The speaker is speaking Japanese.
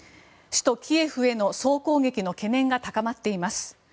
首都キエフへの総攻撃の懸念が高まっています。